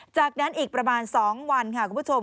จากนั้นอีกประมาณ๒วันค่ะคุณผู้ชม